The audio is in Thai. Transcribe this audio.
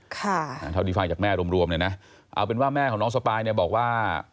เท่าที่ฟังจากแม่รวมเนี่ยนะเอาเป็นว่าแม่ของน้องสปายเนี่ยบอกว่า